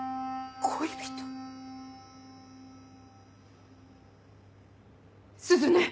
恋人⁉鈴音！